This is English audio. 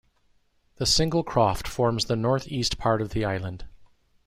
The single croft forms the north-east part of the island.